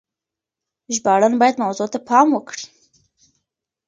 ژباړن بايد موضوع ته پام وکړي.